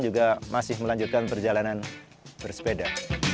juga masih melanjutkan perjalanan bersepeda